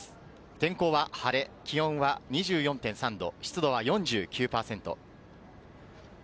天候は晴れ、気温は２４．３度、湿度は４９％。